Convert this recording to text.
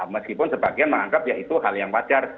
meskipun sebagian menganggap ya itu hal yang wajar